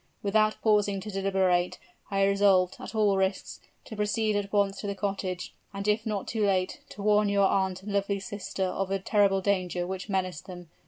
Without pausing to deliberate, I resolved, at all risks, to proceed at once to the cottage, and, if not too late, warn your aunt and lovely sister of the terrible danger which menaced them.